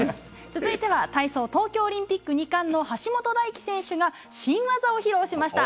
続いては体操、東京オリンピック２冠の橋本大輝選手が、新技を披露しました。